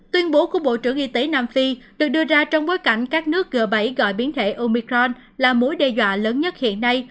tuyên bố của bộ trưởng y tế nam phi được đưa ra trong bối cảnh các nước g bảy gọi biến thể omicron là mối đe dọa lớn nhất hiện nay